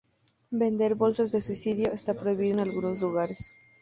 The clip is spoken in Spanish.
Vender bolsas de suicidio está prohibido en algunos lugares.